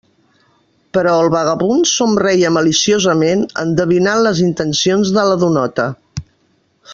Però el vagabund somreia maliciosament, endevinant les intencions de la donota.